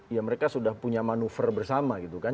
ya mereka sudah punya manuver bersama gitu kan